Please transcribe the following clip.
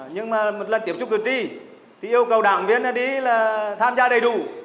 nhưng mà một lần tiếp xúc cử tri thì yêu cầu đảng viên đi là tham gia đầy đủ